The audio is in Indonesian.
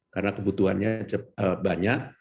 karena kebutuhannya banyak